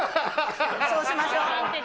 そうしましょう。